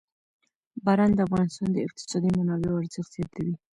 باران د افغانستان د اقتصادي منابعو ارزښت زیاتوي.